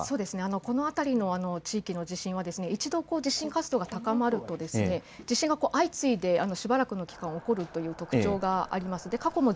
この辺の地域の地震は一度、地震活動が高まると地震が相次いでしばらくの期間起こるという特徴があります。